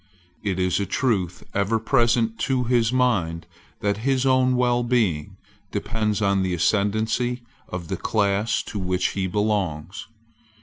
It is a truth ever present to his mind that his own wellbeing depends on the ascendency of the class to which he belongs.